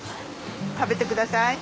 食べてください。